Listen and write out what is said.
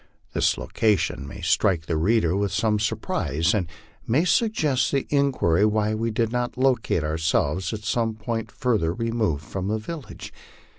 This location may strike the reader with some surprise, and may suggest the inquiry why we did not locate ourselves at some point further removed from the village.